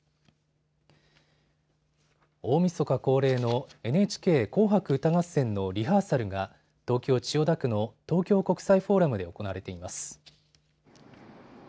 大みそか恒例のＮＨＫ紅白歌合戦のリハーサルが東京・千代田区の東京国際フォーラムで行われています。